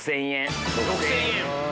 ６０００円。